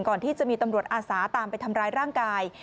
ก่อนที่จะมีตำรวจอาสาตามไปทำร้ายร่างกาย